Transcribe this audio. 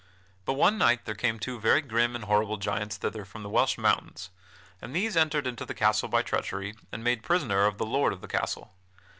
But one night there came two very grim and horrible giants thither from the Welsh Mountains and these entered into the castle by treachery and made prisoner of the lord of the castle.